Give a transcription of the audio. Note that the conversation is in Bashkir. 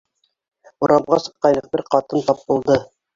Урамға сыҡҡайныҡ, бер ҡатын тап булды.